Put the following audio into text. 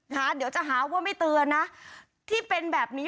เดี๋ยวจะหาว่าไม่เตือนนะที่เป็นแบบนี้